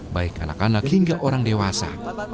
baik anak anak hingga orang dewasa